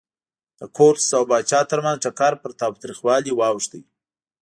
د کورتس او پاچا ترمنځ ټکر پر تاوتریخوالي واوښت.